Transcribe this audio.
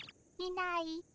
いない。